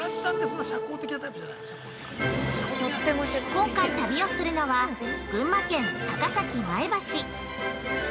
◆今回、旅をするのは、群馬県、高崎、前橋。